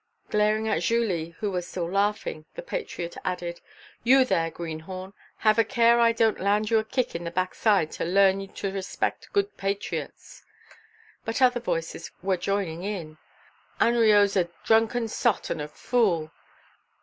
Glaring at Julie, who was still laughing, the patriot added: "You there, greenhorn, have a care I don't land you a kick in the backside to learn you to respect good patriots." But other voices were joining in: "Hanriot's a drunken sot and a fool!"